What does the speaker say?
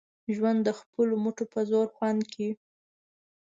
ژوند د خپلو مټو په زور خوند کړي